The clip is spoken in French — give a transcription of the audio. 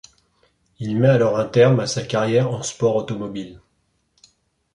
Il met alors un terme à sa carrière en sport automobile.